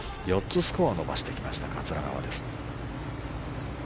４つスコアを伸ばしていきました桂川です。